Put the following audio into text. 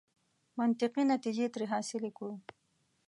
منطقي نتیجې ترې حاصلې کړو.